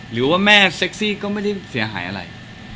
หรือว่าแม่เซ็กซี่ก็ไม่ได้เสียหายอะไร